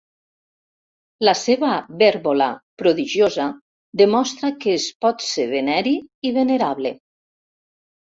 La seva vèrbola prodigiosa demostra que es pot ser veneri i venerable.